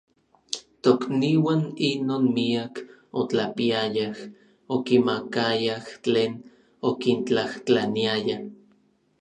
Tokniuan inon miak otlapiayaj, okimakayaj tlen okintlajtlaniaya.